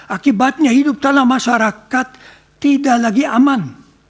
akibatnya hidup dalam masyarakat tidak lagi aman